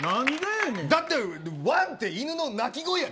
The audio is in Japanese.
だって、ワンって犬の鳴き声やで。